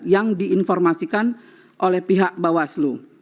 yang diinformasikan oleh pihak bawaslu